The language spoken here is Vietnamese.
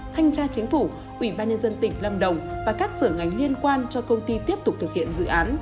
thanh tra chính phủ ủy ban nhân dân tỉnh lâm đồng và các sở ngành liên quan cho công ty tiếp tục thực hiện dự án